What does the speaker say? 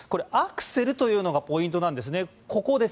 アクセルというのがポイントなんです。